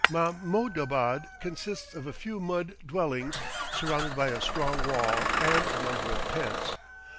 Mahmoudabad consists of a few mud dwellings surrounded by a strong wall, and a number of tents.